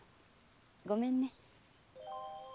ごめんね。